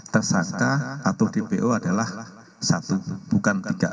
tersangka atau dpo adalah satu bukan tiga